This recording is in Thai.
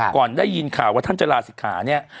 ก่อนได้ยินข่าวว่าท่านจะลาศิกขาเนี่ย